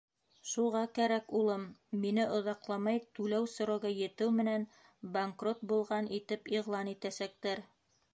— Шуға кәрәк, улым, мине оҙаҡламай, түләү срогы етеү менән, банкрот булған итеп иғлан итәсәктәр.